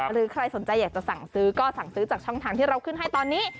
หรือใครสนใจอยากจะสั่งซื้อก็สั่งซื้อจากช่องทางที่เราขึ้นให้ตอนนี้